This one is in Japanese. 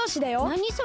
なにそれ？